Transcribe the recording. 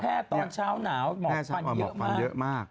แพร่ตอนเช้าหนาวเหมาะฟันเยอะมาก